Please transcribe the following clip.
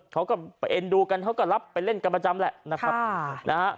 เขาก็ไปเอ็นดูกันเขาก็รับไปเล่นกันประจำแหละนะครับ